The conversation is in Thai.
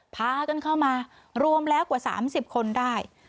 พากันเข้ามารวมแล้วกว่า๓๐คนได้